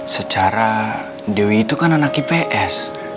secara dewi itu kan anak ips